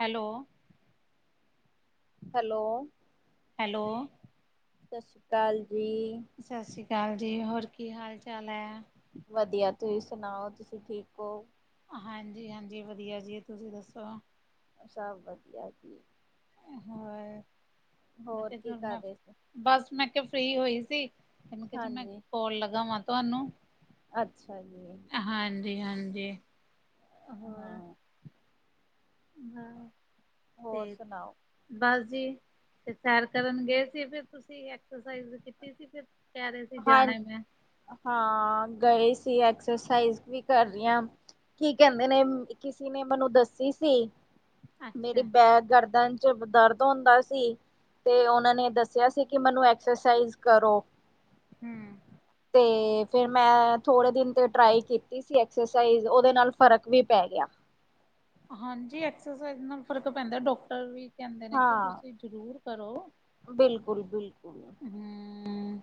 Hello. Hello. Hello. ਸਤਿ ਸ਼੍ਰੀ ਅਕਾਲ ਜੀ। ਸਤਿ ਸ਼੍ਰੀ ਅਕਾਲ ਜੀ, ਹੋਰ ਕੀ ਹਾਲ ਚਾਲ ਐ। ਵਧੀਆ ਤੁਸੀਂ ਸੁਣਾਓ ਤੁਸੀਂ ਠੀਕ ਹੋ। ਹਾਂਜੀ- ਹਾਂਜੀ ਵਧੀਆ ਜੀ, ਤੁਸੀਂ ਦੱਸੋ। ਸਭ ਵਧੀਆ ਜੀ। ਹੋਰ ਮੈਂ ਹੋਰ ਕਿਹਾ ਕੀ ਚਲ ਕਰ ਮੈਂ ਰਹੇ ਸੀ ਬਸ ਮੈਂ ਕਿਹਾ ਫ੍ਰਰੀ ਹੋਈ ਸੀ। ਮੈਨੂੰ ਕਿਹਾ ਚ ਮੈਂ ਹਾਂਜੀ ਕੋੋਲ ਲਗਾਵਾਂ ਤੁਹਾਨੂੰ। ਅੱਛਾ ਜੀ। ਹਾਂਜੀ-ਹਾਂਜੀ। ਹਾਂ। ਹਾਂ, ਹੋਰ ਤੇ ਸੁਣਾਓ ਬਸ ਜੀ, ਤੇ ਸੈਰ ਕਰਨ ਗਏ ਸੀ, ਫਿਰ ਤੁਸੀ ਐਕਸਰਸਾਈਜ਼ ਕੀਤੀ ਸੀ ਫਿਰ। ਕੈ ਰਏ ਸੀ ਹਾਂ ਜਾਨਾ ਮੈਂ। ਹਾਂ ਗਏ ਸੀ, ਐਕਸਰਸਾਈਜ਼ ਵੀ ਕਰ ਰਈ ਆਂ। ਕੀ ਕੈਂਦੇ ਨੇ ਕਿਸੀ ਨੇ ਮੈਨੂੰ ਦੱਸੀ ਸੀ, ਅੱਛਾ, ਮੇਰੀ ਬੈਕ ਗਰਦਨ ਚ ਦਰਦ ਹੁੰਦਾ ਸੀ, ਤੇ ਓਨਾਂ ਨੇ ਦੱਸੇਆ ਸੀ ਕੀ ਮੈਨੂੰ ਐਕਸਰਸਾਈਜ਼ ਕਰੋ। ਹੂੰ। ਤੇ ਫਿਰ ਮੈਂ ਥੋੜੇ ਦਿਨ ਤੇ ਟਰਾਈ ਕੀਤੀ ਸੀ ਐਕਸਰਸਾਈਜ਼ ਓਦੇ ਨਾਲ ਫ਼ਰਕ ਵੀ ਪੈ ਗੇਆ। ਹਾਂਜੀ ਐਕਸਰਸਾਈਜ਼ ਨਾਲ ਫ਼ਰਕ ਪੈਂਦਾ ਡੋਕਟਰ ਵੀ ਕੈਂਦੇ ਨੇ ਕੇ ਹਾਂ, ਤੁਸੀਂ ਜ਼ਰੂਰ ਕਰੋ। ਬਿਲਕੁਲ-ਬਿਲਕੁਲ। ਹੂੰ।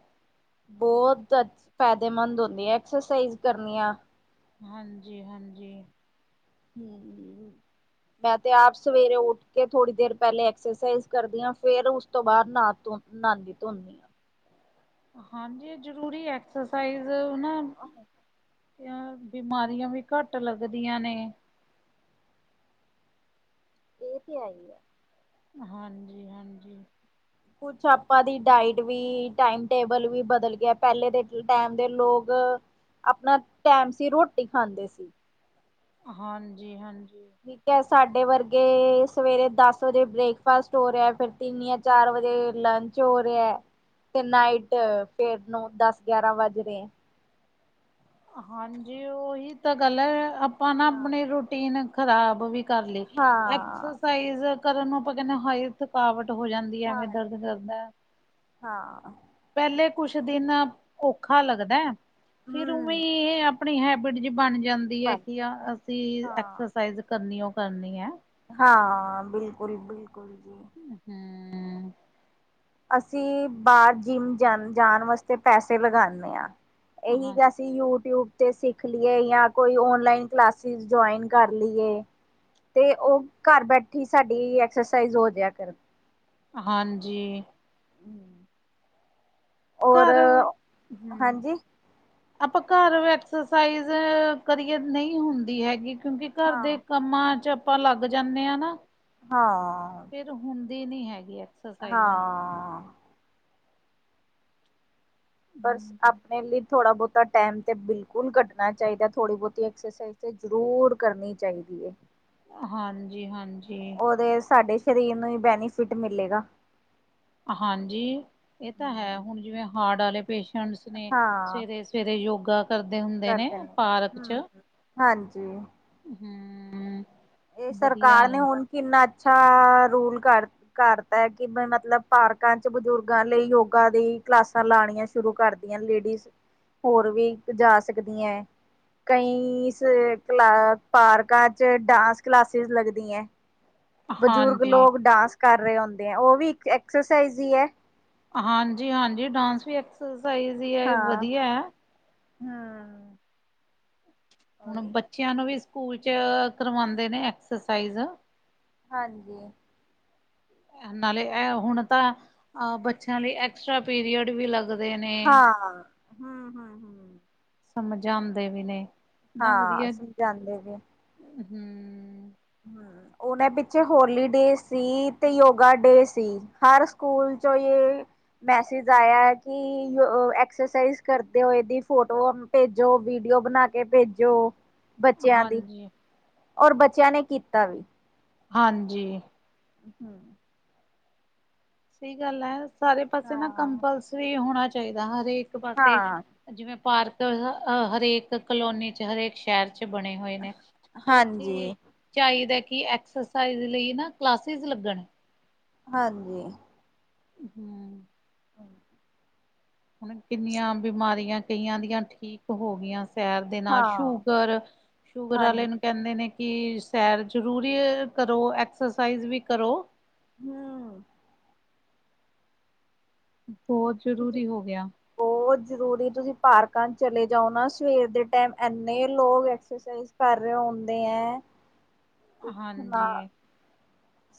ਬੋਤ ਅਛ ਫੈਦੇਮੰਦ ਹੁੰਦੀਆ ਐਕਸਰਸਾਈਜ਼ ਕਰਨੀਆ। ਹਾਂਜੀ-ਹਾਂਜੀ। ਹੂੰ। [inaudible] ਮੈਂ ਤੇ ਆਪ ਸਵੇਰੇ ਉੱਠ ਕੇ ਥੋੜੀ ਦੇਰ ਪੈਲੇ ਐਕਸਰਸਾਈਜ਼ ਕਰਦੀ ਆਂ ਫੇਰ ਉਸ ਤੋਂ ਬਾਦ ਨਾ ਤੋ ਨਾਂਦੀ ਧੋਨੀ ਆਂ। ਹਾਂਜੀ ਜ਼ਰੂਰੀ ਐ ਐਕਸਰਸਾਈਜ਼ ਓ ਨਾ ਆਹੋ। ਇਓਂ ਬਿਮਾਰੀਆਂ ਵੀ ਘੱਟ ਲੱਗਦੀਆ ਨੇ। ਏ ਤੇ ਹੈਈ ਐ। ਹਾਂਜੀ-ਹਾਂਜੀ। ਕੁੱਛ ਆਪਾਂ ਦੀ ਡਾਇਟ ਵੀ ਟਾਈਮ ਟੇਬਲ ਵੀ ਬਦਲ ਗਿਆ ਪੈਲੇ ਦੇ ਟੈਮ ਦੇ ਲੋਕ ਆਪਨਾ ਟੈਮ ਸਿਰ ਰੋਟੀ ਖਾਂਦੇ ਸੀ। ਹਾਂਜੀ-ਹਾਂਜੀ। ਠੀਕ ਐ ਸਾਡੇ ਵਰਗੇ ਸਵੇਰੇ ਦਸ ਵਜੇ ਬ੍ਰੇਕਫਾਸਟ ਹੋ ਰਿਆ ਫੇਰ ਤਿੰਨ ਜਾ ਚਾਰ ਵਜੇ ਲੰਚ ਹੋ ਰਿਆ। ਤੇ ਨਾਈਟ ਫੇਰ ਨੋਂ ਦਸ ਗਿਆਰਾਂ ਵੱਜ ਰਏ ਐ। ਹਾਂਜੀ ਓਹੀ ਤਾਂ ਗੱਲ ਐ ਆਪਾਂ ਨਾ ਹਾਂ ਆਪਨੀ ਰੂਟੀਨ ਖ਼ਰਾਬ ਵੀ ਕਰਲੀ ਹਾਂ ਐਕਸਰਸਾਈਜ਼ ਕਰਨ ਨੂੰ ਆਪਾਂ ਕੈਨੇ ਆਂ ਹਾਏ ਥਕਾਵਟ ਹੋ ਜਾਂ ਦੀ ਐਵੇਂ ਦਰਦ ਹਾਂਜੀ ਕਰਦਾ। ਹਾਂ। ਪੈਲੇ ਕੁੱਛ ਦਿਨ ਔਖਾ ਲੱਗਦਾ, ਫਿਰ ਉਵੇਂ ਹਮ ਈ ਐ ਆਪਨੀ ਹੈਬਿਟ ਜੀ ਬਨ ਜਾਂਦੀ ਐ ਕੇ ਆ ਅਸੀਂ ਹਾਂ ਐਕਸਰਸਾਈਜ਼ ਕਰਨੀ ਓ ਕਰਨੀ ਐ। ਹਾਂ ਬਿਲਕੁਲ-ਬਿਲਕੁਲ ਜੀ। ਹੂੰ। ਅਸੀਂ ਬਾਰ ਜਿੰਮ ਜਾ ਜਾਨ ਵਾਸਤੇ ਪੈਸੇ ਲਗਾਨੇ ਆਂ। ਏਹੀ ਹਾਂ ਗਾ ਅਸੀਂ ਯੂਟਿਊਬ ਸਿੱਖ ਲੀਏ ਜਾਂ ਕੋਈ ਔਨਲਾਈਨ ਕਲਾਸਿਸ ਜੁਆਇਨ ਕਰ ਲੀਏ। ਤੇ ਓ ਘਰ ਬੈਠੇ ਈ ਸਾਡੀ ਐਕਸਰਸਾਈਜ਼ ਹੋ ਜੇਆ ਕਰ ਹਾਂਜੀ। ਹੂੰ। ਘਰ, ਹੂੰ ਹਾਂਜੀ ਆਪਾਂ ਘਰ ਐਕਸਰਸਾਈਜ਼ ਕਰੀਏ ਨਹੀਂ ਹੁੰਦੀ ਹੈਗੀ ਕਿਉਂਕਿ ਘਰ ਦੇ ਹਾਂ ਕੰ ਕੰਮਾਂ ਚ ਆਪਾਂ ਲੱਗ ਜਾਣੇ ਆ ਨਾ। ਹਾਂ। ਫੇਰ ਹੁੰਦੀ ਨੀ ਹੈਗੀ ਐ। ਹਾਂ। ਪਰ ਆਪਣੇ ਲਈ ਥੋੜਾ ਬਹੁਤਾ ਟੈਮ ਤੇ ਬਿਲਕੁਲ ਕੱਢਣਾ ਚਾਹੀਦਾ ਥੋੜੀ ਬਹੁਤੀ ਐਕਸਸਾਈ ਤੇ ਜ਼ਰੂਰ ਕਰਨੀ ਚਾਹੀਦੀ ਐ। ਹਾਂਜੀ-ਹਾਂਜੀ। ਉਹਦੇ ਸਾਡੇ ਸਰੀਰ ਨੂੰ ਹੀ ਬੈਨੀਫਿਟ ਮਿਲੇ ਗਾ। ਹਾਂਜੀ, ਇਹ ਤਾਂ ਹੈ ਹੁਣ ਜਿਵੇਂ ਹਾਰਟ ਵਾਲੇ ਪੇਸ਼ੈਂਟਸ ਨੇ ਹਾਂ ਸਵੇਰੇ-ਸਵੇਰੇ ਯੋਗਾ ਕਰਦੇ ਹੁੰਦੇ ਨੇ ਕਰਦੇ ਪਾਰਕ ਹਮ ਚ। ਹਾਂਜੀ। ਹੂੰ-ਹੂੰ। ਇਹ ਸਰਕਾਰ ਨੇ ਹੁਣ ਕਿੰਨਾ ਅੱਛਾ ਰੂਲ ਕਰ ਕਰਤਾ ਐ ਕਿ ਮ ਮਤਲਬ ਪਾਰਕਾ ਚ ਬਜ਼ੁਰਗਾਂ ਲਈ ਯੋਗਾ ਦੀ ਕਲਾਸਾਂ ਲਾਈਨੀਆ। ਸ਼ੁਰੂ ਕਰਦੀਆ ਲੇਡੀਜ਼ ਹੋਰ ਵੀ ਜਾ ਸਕਦੀਆ। ਕਈ ਸਵੇਰੇ ਪਾਰਕਾਂ ਚ ਟਾਕ ਕਲਾਸਿਸ ਲੱਗਦੀ ਐ। ਬਜ਼ੁਰਗ ਹਾਂਜੀ ਲੋਕ ਡਾਂਸ ਕਰ ਰਹੇ ਹੁੰਦੇ ਆ ਉਹ ਵੀ ਇੱਕ ਐਕਸਰਸਾਈਜ਼ ਹੀ ਐ। ਹਾਂਜੀ-ਹਾਂਜੀ ਡਾਂਸ ਵੀ ਐਕਸਰਸਾਈਜ਼ ਹੀ ਹੈ ਵਧੀਆ ਐ। ਹਾਂ। ਹੁਣ ਉਹੀ ਬੱਚਿਆਂ ਨੂੰ ਵੀ ਸਕੂਲ ਚ ਕਰਵਾਉਦੇ ਨੇ ਐਕਸਰਸਾਈਜ਼, ਹਾਂਜੀ। [unintelligible] ਨਾਲੇ ਐ ਹੁਣ ਅ ਤਾਂ ਅ ਬੱਚਿਆਂ ਲਈ ਐਕਸਟਰਾ ਪੀਰੀਅਡ ਵੀ ਲੱਗ ਹਾਂ, ਹੂੰ-ਹੂੰ-ਹੂੰ। ਸਮਝਾਦੇ ਵੀ ਨੇ, ਹਾਂ ਸਮਝਾਦੇ ਵੀ, ਹੂੰ। ਹੂੰ। ਹੁਣੇ ਪਿੱਛੇ ਹੋਲੀ ਡੇ ਸੀ ਤੇ ਯੋਗਾ ਡੇ ਸੀ। ਹਰ ਸਕੂਲ ਚੋ ਜੇ, ਮੈਸੇਜ ਆਇਆ ਹੈ ਕਿ ਅ ਐਕਸਰਸਾਈਜ਼ ਕਰਦੇ ਹੋਏ ਦੀ ਫੋਟੋ, ਭੇਜੋ ਵੀਡੀਓ ਬਣਾ ਕੇ ਭੇਜੋ, ਬੱਚਿਆਂ ਦੀ। ਹਾਂਜੀ ਔਰ ਬੱਚਿਆਂ ਨੇ ਕੀਤਾ ਵੀ। ਹਾਂਜੀ। ਹੂੰ। ਸਹੀ ਗੱਲ ਆ ਸਾਰੇ ਪਾਸੇ ਨਾ ਹਾਂ ਕੰਪਲਸਰੀ ਹੋਣਾ ਚਾਹੀਦਾ ਹਰੇਕ ਪਾਸੇ। ਹਾਂ ਜਿਵੇਂ ਪਾਰਕ ਅ ਹਰੇਕ ਕਲੋਨੀ ਚ ਹਰੇਕ ਸ਼ਹਿਰ ਚ ਬਣੇ ਹੋਏ ਨੇ, ਉੱਥੇ ਹਾਂਜੀ ਚਾਹੀਦਾ ਹੈ ਕਿ ਐਕਸਰਸਾਈਜ਼ ਲਈ ਨਾ ਕਲਾਸਿਸ ਲੱਗਣ। ਹਾਂਜੀ। ਹੂੰ। ਹੂੰ। ਹੁਣ ਕਿੰਨੀਆ ਬਿਮਾਰੀਆਂ ਕਈਆ ਦੀਆਂ ਠੀਕ ਹੋ ਗਈਆ ਸ ਸ਼ੈਰ ਦੇ ਨਾਲ ਹਾਂ ਸ਼ੂਗਰ, ਸ਼ੂਗਰ ਵਾਲੇ ਹਾਂਜੀ ਨੂੰ ਕਹਿੰਦੇ ਨੇ ਕਿ, ਸੈਰ ਜ਼ਰੂਰੀ ਕਰੋ, ਐਕਸਰਸਾਈਜ਼ ਵੀ ਕਰੋ। ਹੂੰ ਬਹੁਤ ਤੁਸੀਂ ਜ਼ਰੂਰੀ ਹੋਗਿਆ। ਬਹੁਤ ਜ਼ਰੂਰੀ ਤੁਸੀਂ ਪਾਰਕਾਂ'ਚ ਚਲੇ ਜਾਓ ਨਾ ਸਵੇਰ ਦੇ ਟਾਇਮ, ਇੰਨੇ ਲੋਕ ਐਕਸਰਸਾਈਜ਼ ਕਰ ਰਹੇ ਹੁੰਦੇ ਐ। ਹਾਂਜੀ।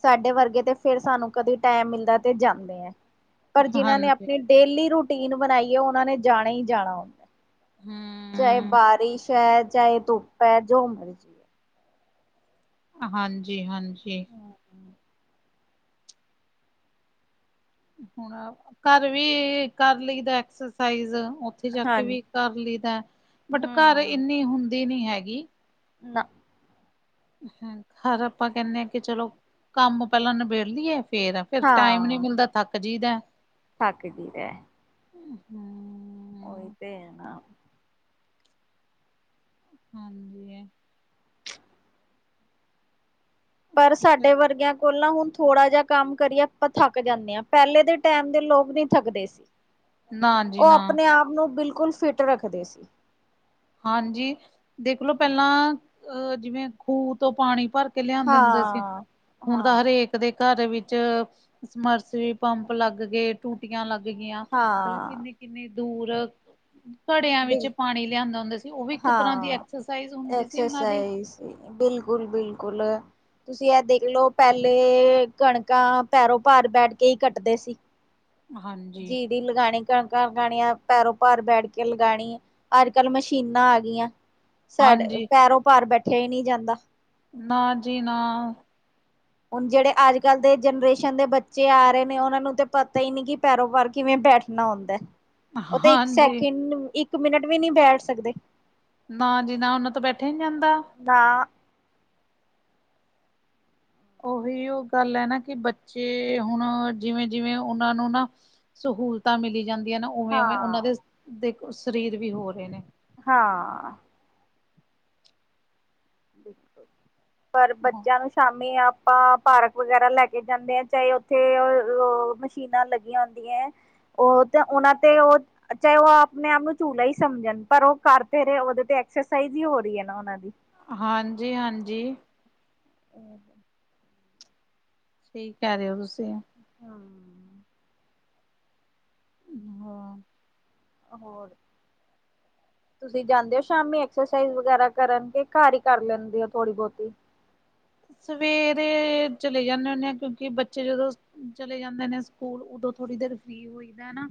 ਸਾਡੇ ਵਰਗੇ ਤੇ ਫਿਰ ਸਾਨੂੰ ਕਦੇ ਟੈਮ ਮਿਲਦਾ ਤੇ ਜਾਂਨੇ ਆ, ਪਰ ਜਿਹਨਾਂ ਨੇ ਹਾਂਜੀ ਅਪਣੀ ਡੇਲੀ ਰੂਟੀਨ ਬਣਾਈਏ ਉਹਨਾਂ ਨੇ ਜਾਣਾ ਈ ਜਾਣਾ ਵਾ। ਚਾਹੇ ਹਮ ਬਾਰਿਸ਼ ਐ, ਚਾਹੇ ਧੁੱਪ ਐ, ਜੋ ਮਰਜੀ ਹਾਂਜੀ-ਹਾਂਜੀ। ਹੈ। ਹੁਣ ਘਰ ਵੀ, ਕਰ ਲਈ ਦਾ ਐਕਸਰਸਾਈਜ਼। ਉੱਥੇ ਹਾਂ ਜਾਕੇ ਵੀ ਕਰ ਲਈਦਾ, ਬਟ ਘਰ ਹਮ ਇੰਨੀ ਹੁੰਦੀ ਨੀ ਹੈਗੀ। ਨਾ ਹ, ਹਰ ਆਪਾਂ ਕਹਿੰਨੇ ਆ ਕਿ ਚਲੋ, ਕੰਮ ਪਹਿਲਾਂ ਨਬੇੜ ਲਈਏ ਫੇਰ ਫਿਰ ਟਾਈਮ ਨਹੀਂ ਹਾਂ ਮਿਲਦਾ, ਥੱਕ ਜੀਦਾ। ਥੱਕ ਜੀਦਾ। ਹੂੰ ਓਹੀ ਤੇ, ਏ ਨਾ। ਹਾਂਜੀ। ਪਰ ਸਾਡੇ ਵਰਗਿਆਂ ਕੋਲ ਨਾ ਹੁਨ ਥੋੜਾ ਜਿਹਾ ਕੰਮ ਕਰੀਏ ਆਪਾਂ ਥੱਕ ਜਾਂਨੇ ਆ, ਪਹਿਲੇ ਦੇ ਟਾਈਮ ਦੇ ਲੋਕ ਨੀ ਥੱਕਦੇ ਸੀ। ਨਾ ਜੀ ਉਹ ਨਾ ਅਪਨੇ-ਆਪ ਨੂੰ ਬਿਲਕੁਲ ਫਿੱਟ ਰੱਖਦੇ ਸੀ। ਹਾਂਜੀ, ਦੇਖਲੋ ਪਹਿਲਾਂ ਅਹ ਜਿਵੇਂ ਖੂਹ ਤੋਂ ਪਾਣੀ ਭਰ ਕੇ ਲਿਆ ਦਿੰਦੇ ਸੀ, ਹਾਂ। ਹੁਣ ਤਾਂ ਹਾਂ ਹਰੇਕ ਦੇ ਘਰ ਵਿੱਚ, ਸਮਰਸਰੀ ਪੰਪ ਲੱਗਗੇ। ਟੂਟੀਆਂ ਲੱਗ ਗੀਆਂ, ਪਹਿਲਾਂ ਹਾਂ ਕਿੰਨੇ-ਕਿੰਨੇ ਦੂਰ ਘੜਿਆਂ ਵਿੱਚ ਬਿਲ ਪਾਣੀ ਲਿਆਂਦਾ ਹੁੰਦਾ ਸੀ, ਉਹ ਵੀ ਇੱਕ ਤਰ੍ਹਾਂ ਦੀ ਹਾਂ, ਐਕਸਰਸਾਈਜ਼ ਹੁੰਦੀ ਸੀ ਉਹਨਾਂ ਦੀ। ਐਕਸਰਸਾਈਜ਼, ਬਿਲਕੁਲ-ਬਿਲਕੁਲ। ਤੁਸੀਂ ਐ ਦੇਖਲੋ, ਪਹਿਲੇ ਕਣਕਾਂ ਪੈਰੋਂ ਭਾਰ ਬੈਠਕੇ ਈ ਕੱਟਦੇ ਸੀ। ਹਾਂਜੀ। ਦੀ ਲਗਾਣੀ, ਕਣਕਾਂ ਲਗਾਣੀਆਂ ਪੈਰੋ ਭਾਰ ਬੈਠਕੇ ਲਗਾਣੀ। ਅੱਜ-ਕੱਲ ਮਸ਼ੀਨਾਂ ਆਗੀਆਂ, ਸਾਡ ਹਾਂਜੀ, ਪੈਰੋਂ ਭਾਰ ਬੈਠਿਆ ਈ ਨਹੀਂ ਜਾਂਦਾ। ਨਾ ਜੀ, ਨਾ। ਹੁਣ ਜਿਹੜੇ ਅੱਜ-ਕੱਲ ਦੇ ਜਨਰੇਸ਼ਨ ਦੇ ਬੱਚੇ ਆ ਰਹੇ ਨੇ, ਉਹਨਾਂ ਨੂੰ ਤੇ ਪਤਾ ਈ ਨਹੀਂ ਕਿ ਪੈਰੋ ਭਾਰ ਕਿਵੇਂ ਬੈਠ ਹੁੰਦਾ ਏ, ਉਹ ਤਾਂ ਇੱਕ ਹਾਂਜੀ। ਸੈਕਿੰਡ, ਇੱਕ ਮਿਨਟ ਵੀ ਨਹੀਂ ਬੈਠ ਸਕਦੇ। ਨਾ ਜੀ ਨਾ, ਉਹਨਾਂ ਤੋਂ ਬੈਠਿਆ ਈ ਨੀ ਜਾਂਦਾ। ਨਾ ਓਹੀ ਉਹ ਗੱਲ ਐ, ਨਾ ਕਿ ਬੱਚੇ ਹੁਣ ਜਿਵੇਂ-ਜਿਵੇਂ ਉਹਨਾਂ ਨੂੰ ਨਾ ਸਹੂਲਤਾਂ ਮਿਲੀ ਜਾਂਦੀਆਂ ਨਾ, ਉਵੇਂ-ਉਵੇਂ ਉਹਨਾਂ ਹਾਂ ਦੇ ਦੇਖੋ ਸਰੀਰ ਵੀ ਹੋ ਰਹੇ ਨੇ। ਹਾਂ। ਪਰ ਬੱਚਿਆਂ ਨੂੰ ਸ਼ਾਮੀ ਆਪਾਂ ਪਾਰਕ ਵਗੈਰਾ ਲੈਕੇ ਜਾਂਨੇੇ ਆ, ਚਾਹੇ ਉੱਥੇ ਓ ਓ ਚੀਨਾ ਲੱਗੀਆਂ ਹੁੰਦੀਆਂ ਐ, ਉਹ ਤੇ, ਉਹਨਾਂ ਤੇ ਉਹ ਚਾਹੇ ਉਹ ਆਪਣੇ-ਆਪ ਨੂੰ ਝੂਲਾ ਈ ਸਮਝਣ, ਪਰ ਉਹ ਕਰ ਤੇ ਰਹੇ, ਉਹਦੇ ਤੇ ਐਕਸਰਸਾਈਜ਼ ਹੀ ਹੋ ਰਹੀ ਐ। ਉਹਨਾਂ ਦੀ ਹਾਂਜੀ-ਹਾਂਜੀ। [inaudible] ਸਈ ਕੈ ਰਏ ਓ ਤੁਸੀਂ। ਹਾਂ ਦੀਦੀ ਹੋਰ ਹੋਰ ਤੁਸੀਂ ਜਾਂਦੇ ਓ ਸ਼ਾਮੀ ਐਕਸਰਸਾਈਜ਼ ਵਗੈਰਾ ਕਰਨ ਕੇ ਘਰ ਈ ਕਰ ਲੈਂਦੇ ਓ ਥੋੜੀ ਬੋਤੀ? ਸਵੇਰੇ ਚਲੇ ਜਾਂਦੇ ਹੁੰਦੇ ਆ ਕਿਉਂਕਿ ਬੱਚੇ ਜਦੋਂ ਚਲੇ ਜਾਂਦੇ ਨੇ ਸਕੂਲ ਉਦੋਂ ਥੋੜੀ ਦੇਰ ਫਰੀ ਹੋਈਦਾ ਹਨਾ।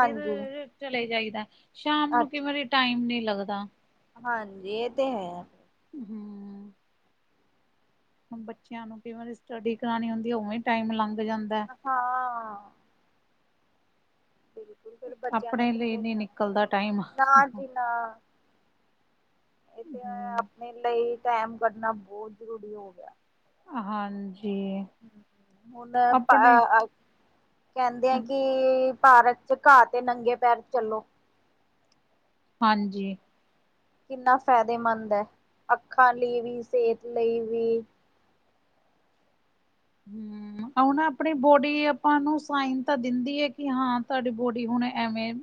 ਫਿਰ ਚਲੇ ਜਾਈਦਾ ਸ਼ਾਮ ਨੂੰ ਕਈ ਅੱਛਾ ਵਾਰੀ ਟਾਈਮ ਨੀ ਲੱਗਦਾ। ਹਾਂਜੀ ਏ ਤੇ ਹੈ। ਹੂੰ ਬੱਚੇਆਂ ਨੂੰ ਕਈ ਵਾਰੀ ਸਟੱਡੀ ਕਰਾਣੀ ਹੁੰਦੀ ਉਵੇ ਈ ਟਾਈਮ ਲੰਗ ਜਾਂਦਾ। ਹਾਂ ਬਿਲਕੁਲ- ਬਿਲ ਆਪਣੇ ਲਈ ਨੀ ਨਿਕਲਦਾ ਟਾਈਮ ਹਹ ਨਾ ਇੱਕ ਤੇ ਆਪਣੇ ਲਈ ਟਾਇਮ ਕੱਢਣਾ ਬੋਤ ਜ਼ਰੂਰੀ ਹੋ ਗੇਆ। ਹਾਂਜੀ। ਹੁਣ ਆਪਾ ਆਪਣੇ ਆ ਕੇਂਦੇ ਆ ਕਿ ਤੇ ਪਾਰਕ ਚ ਘਾਹ ਤੇ ਨੰਗੇ ਪੈਰ ਚੱਲੋ। ਹਾਂਜੀ। ਕਿੰਨਾ ਫਾਇਦੇਮੰਦ ਐ, ਅੱਖਾਂ ਲਈ ਵੀ ਸੇਤ ਲਈ ਵੀ। ਹੂੰ ਓ ਨਾ ਆਪਣੀ ਬੋਡੀ ਆਪਾਂ ਨੂੰ ਸਾਈਨ ਤਾਂ ਦਿੰਦੀ ਆ ਕਿ ਹਾਂ ਤੁਆਡੀ ਬੋਡੀ ਹੁਣ ਐਵੇਂ [inaudible]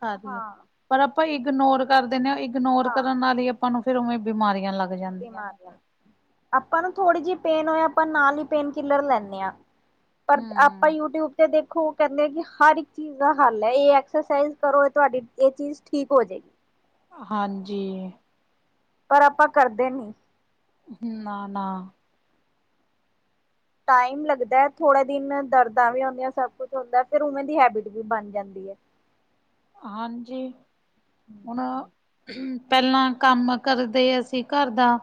ਕਰ ਰਈ ਆ, ਹਾਂ ਪਰ ਆਪਾਂ ਇਗਨੋਰ ਕਰ ਦਿੰਦੇ ਆ ਇਗਨੋਰ ਹਾਂ ਕਰਨ ਨਾਲ ਈ ਆਪਾਂ ਨੂੰ ਫੇਰ ਉਵੇਂ ਬਿਮਾਰੀਆਂ ਲੱਗ ਜਾਂਦੀਆਂ ਨੇ। ਬੀਮਾਰੀਆ ਲੱਗਦੀਆਂ, ਆਪਾ ਨੂੰ ਥੋੜੀ ਜੇਈ ਪੇਨ ਹੋਏ ਆਪਾਂ ਨਾਲ ਈ ਪੇਨ ਕਿਲਰ ਲੇਂਨੇ ਆ ਪਰ ਆਪਾਂ ਹੂੰ। ਯੂ ਟਿਊਬ ਅਤੇ ਦੇਖੋ ਓ ਕੇਂਦੇ ਕਿ ਹਰ ਇੱਕ ਚੀਜ਼ ਦਾ ਹੱਲ ਏ, ਏ ਐਕਸਰਸਾਈਜ਼ ਕਰੋ ਤੁਆਡੀ ਏ ਚੀਜ਼ ਠੀਕ ਹੋ ਜਾਏਗੀ। ਹਾਂਜੀ। ਪਰ ਆਪਾਂ ਕਰਦੇ ਨਈ ਹੂੰ ਨਾ-ਨਾ ਟਾਈਮ ਲੱਗਦਾ ਥੋੜਾ ਦਿਨ ਦਰਦਾਂ ਵੀ ਹੁੰਦੀਆਂ ਸਭ ਕੁਛ ਹੁੰਦਾ, ਫਿਰ ਓਨਾ ਦੀ ਹੈਬਿਟ ਵੀ ਬਣ ਜਾਂਦੀ ਐ ਹਾਂਜੀ, ਹੁਣ, ਹੁਹੁ ਪੇਲਾ ਕੰਮ ਕਰਦੇ ਅਸੀਂ ਘਰ ਦਾ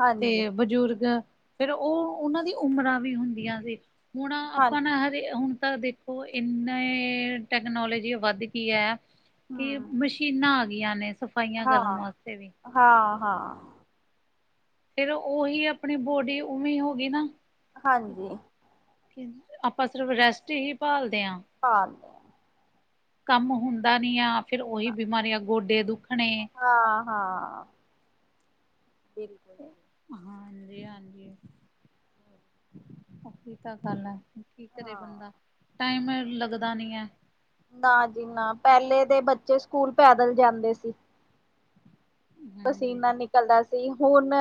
ਹਾਂਜੀ ਤੇ ਬਜ਼ੁਰਗ ਫੇਰ ਓ ਓਨਾਂ ਦੀ ਉਮਰਾਂ ਵੀ ਹੁੰਦੀਆਂ ਸੀ। ਹੁਣ ਹਾਂ ਆਪਾਂ ਨਾ ਹਰੇ ਹੁਣ ਪਰ ਦੇਖ ਦੇਖੋ ਏਨੇ ਟੈਕਨੋਲੋਜੀ ਵੱਧ ਗਈ ਐ, ਕਿ ਹੂੰ ਮਸ਼ੀ ਸ਼ੀਨਾਂ ਆ ਗਈਆਂ ਨੇ ਸਫਾਈਆਂ ਕਰਨ ਵਾਸਤੇ ਵੀ। ਹਾਂ-ਹਾਂ। ਫੇਰ ਓਹੀ ਆਪਣੀ ਬੋਡੀ ਉਵੇਂ ਹੋ ਗਈ ਨਾ ਹਾਂਜੀ। ਕਿਂਝ, ਆਪਾਂ ਸਿਰਫ ਰੈਸਟ ਹੀ ਭਾਲਦੇ ਆ ਹਾਂਜੀ। ਕੰਮ ਹੁੰਦਾ ਨਹੀਂ ਆ, ਫਿਰ ਉਹੀ ਬਿਮਾਰੀਆਂ ਗੋਡੇ ਦੁੱਖਣੇ ਹਾਂ-ਹਾਂ ਬਿਲਕੁਲ। ਹਾਂਜੀ-ਹਾਂਜੀ ਉਹੀ ਤਾਂ ਗੱਲ ਐ। ਕੀ ਕਰੇ ਹਾਂ ਬੰਦਾ ਟਾਈਮ ਐਵੇਂ ਲੱਗਦਾ ਨੀ ਐ। ਨਾ ਜੀ ਨਾ ਪਹਿਲੇ ਦੇ ਬੱਚੇ ਸਕੂਲ ਪੈਦਲ ਜਾਂਦੇ ਸੀ। ਹਾਂਜੀ ਪਸੀਨਾ ਨਿਕਲਦਾ ਸੀ, ਹੁਣ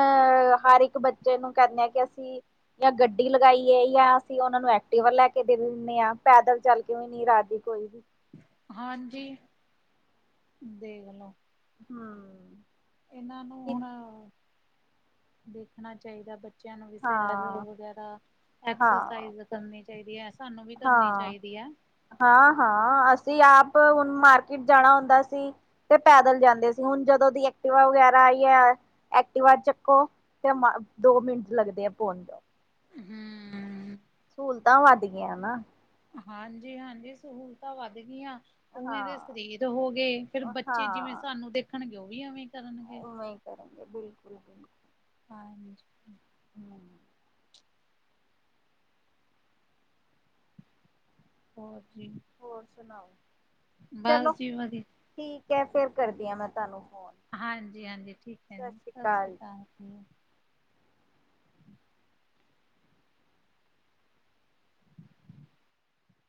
ਹਰ ਇੱਕ ਬੱਚੇ ਨੂੰ ਕਹਿੰਦੇ ਹੇ ਕਿ ਅਸੀਂ ਜਾਂ ਗੱਡੀ ਲਗਾਈ ਏ ਜਾਂ ਅਸੀਂ ਉਹਨਾਂ ਨੂੰ ਐਕਟੀਵਰ ਲੈ ਕੇ ਦੇ ਦਿੰਦੇ ਹਾਂ ਪੈਦਲ ਚੱਲ ਕੇ ਰਾਜੀ ਕੋਈ ਵੀ ਨੀ ਹਾਂਜੀ ਦੇਖਲੋ। ਹਮ। ਇਹਨਾਂ ਨੂੰ ਹੁਣ ਦੇਖਣਾ ਚਾਹੀਦਾ ਬ ਬੱਚਿਆਂ ਨੂੰ ਸੈਰ ਹਾਂ ਵੈਗਰਾ, ਹਾਂ ਐਕਸਰਸਾਈਜ਼ ਕਰਨੀ ਚਾਹੀਦੀ ਐ। ਸਾਨੂੰ ਵੀ ਕਰਨੀ ਚਾਹੀਦੀ ਐ। ਹਾਂ-ਹਾਂ ਅਸੀਂ ਆਪ ਹੁਣ ਮਾਰਕੀਟ ਜਾਣਾ ਹੁੰਦਾ ਸੀ ਤੇ ਪੈਦਲ ਜਾਂਦੇ ਸੀ, ਹੁਣ ਜਦੋਂ ਦੀ ਐਕਟਵਾ ਵਗੈਰਾ ਆਈ ਏ ਐਕਟਿਵਾ ਚੱਕੋ ਤੇ ਮ ਦੋ ਮਿੰਟ ਲੱਗਦੇ ਆ ਪਹੁੰਚ ਜਾਊ। ਹਮ। ਸਹੂਲਤਾਂ ਵੱਧ ਗਈਆਂ ਨਾ ਹਾਂਜੀ-ਹਾਂਜੀ ਸਹੂਲਤਾਂ ਵੱਧ ਗਈਆਂ। ਉਵੇਂ ਦੇ ਹਾਂ ਸਰੀਰ ਹੋ ਗਏ, ਫੇਰ‌ ਬੱਚੇ ਜਿਵੇਂ ਹਾਂ ਸਾਨੂੰ ਦੇਖਣਗੇ ਉਹ ਵੀ ਐਵੇਂ ਕਰਨਗੇ। ਏਹੀ ਕਰਨਗੇ ਬਿਲਕੁਲ-ਬਿਲ‌‌ਕੁਲ। ਹਾਂਜੀ। ਹਮ। ਹੋਰ ਜੀ। ਹੋਰ ਸੁਣਾਓ? ਚਲੋ ਬਸ ਜੀ ਵਧੀਆ ਠੀਕ ਐ, ਫਿਰ ਕਰਦੀ ਹਾਂ ਮੈਂ ਤੁਹਾਨੂੰ ਫੋਨ। ਹਾਂਜੀ-ਹਾਂਜੀ ਠੀਕ ਐ ਜੀ, ਸਤਿ ਸ੍ਰੀ ਅਕਾਲ ਜੀ। [inaudible]